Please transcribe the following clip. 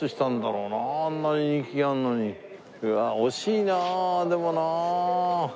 うわ惜しいなでもなあ。